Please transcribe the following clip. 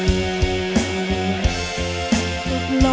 แม้เธอยังคิดถึงเขาอยู่